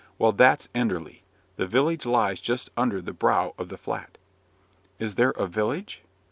Well, that's Enderley: the village lies just under the brow of the Flat." "Is there a village?"